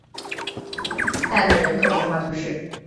塞勒人口变化图示